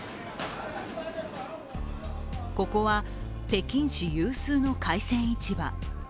ここは北京市有数の海鮮市場。